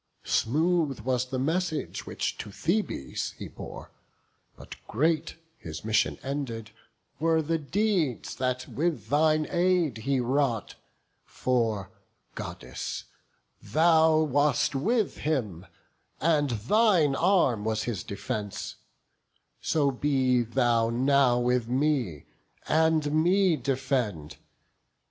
Smooth was the message which to Thebes he bore; But great, his mission ended, were the deeds That with thine aid he wrought; for, Goddess, thou Wast with him, and thine arm was his defence: So be thou now with me, and me defend.